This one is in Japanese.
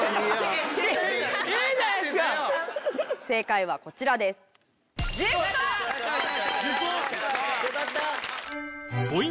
正解はこちらです。